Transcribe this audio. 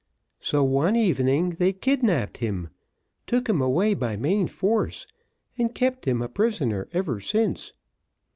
So one evening, they kidnapped him, took him away by main force, and kept him a prisoner ever since."